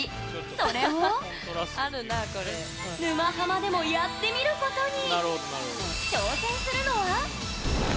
それを「沼ハマ」でもやってみることに。